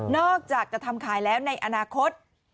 อกจากจะทำขายแล้วในอนาคต